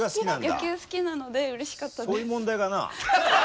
野球好きなのでうれしかったです。